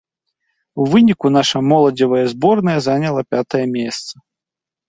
У выніку нашая моладзевая зборная заняла пятае месца.